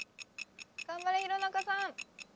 頑張れ弘中さん！